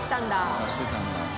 探してたんだ。